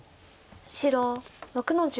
白６の十五。